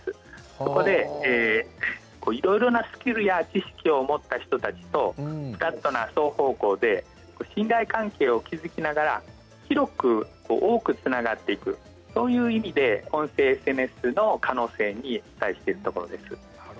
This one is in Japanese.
そこでいろいろなスキルや知識を持った人たちとフラットな双方向で信頼関係を築きながら広く多くつながっていくそういう意味で音声ＳＮＳの可能性に期待しているところです。